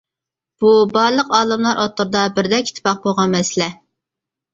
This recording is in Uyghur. بۇ بارلىق ئالىملار ئوتتۇرىدا بىردەك ئىتتىپاق بولغان مەسىلە.